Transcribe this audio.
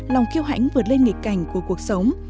lòng khiêu hãnh vượt lên nghịch cảnh của cuộc sống